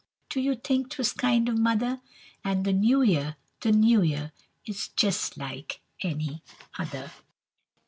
Do you think 'twas kind of mother? And the new year, the new year Is just like any other!